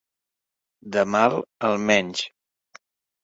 Del mal, el menys.